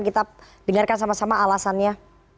kita dengarkan sama sama alasannya